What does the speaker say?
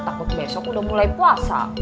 takut besok udah mulai puasa